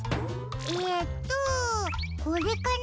えっとこれかな？